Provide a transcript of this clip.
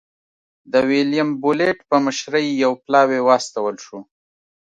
د ویلیم بولېټ په مشرۍ یو پلاوی واستول شو.